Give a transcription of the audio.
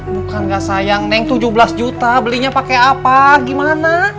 bukan gak sayang neng tujuh belas juta belinya pakai apa gimana